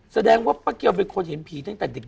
แสดงว่าป้าเกียวเป็นคนเห็นผีตั้งแต่เด็ก